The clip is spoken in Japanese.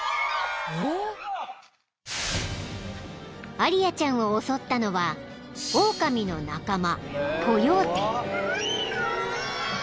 ［アリヤちゃんを襲ったのはオオカミの仲間］